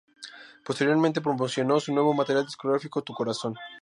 Posteriormente promocionó su nuevo material discográfico, "Tu corazón".